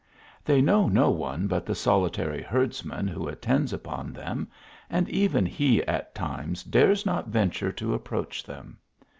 They know no one but the solitary herdsman who attends upon them, and even he at times dares not venture to approach them.